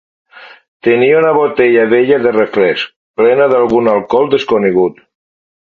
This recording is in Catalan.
Tenia una botella vella de refresc plena d'algun alcohol desconegut.